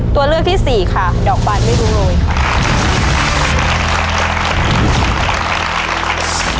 ตัวเลือกที่สี่ค่ะดอกบานไม่รู้โรยค่ะ